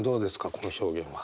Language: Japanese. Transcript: この表現は。